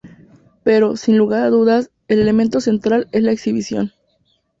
Pero, sin lugar a dudas, el elemento central es la exhibición.